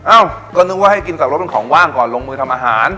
เอ้าก็นึกว่าให้กินสับรสเป็นของว่างก่อนลงมือทำอาหาร